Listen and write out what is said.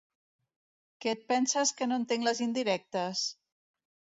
Que et penses que no entenc les indirectes?